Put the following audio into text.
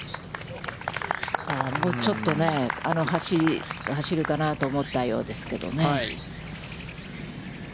もうちょっとね、あの端走るかなと思ったようですけどね。